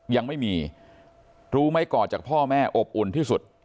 ยังไม่มีรู้ไหมก่อนจากพ่อแม่อบอุ่นที่สุด